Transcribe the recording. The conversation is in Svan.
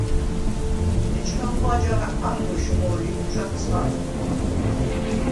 ეჩქანღო აჯაღ ანგვეშ მო̄ლიდ, ჩვადცხა̄ნე.